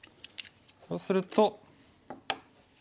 そうすると。